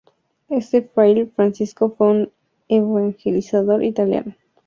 Este fraile franciscano fue un evangelizador italiano.